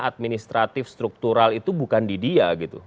administratif struktural itu bukan di dia gitu